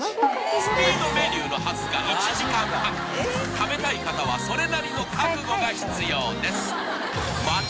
スピードメニューのはずが１時間半食べたい方はそれなりの覚悟が必要です